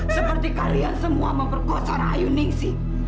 seperti kalian semua memperkosa rayu ningsi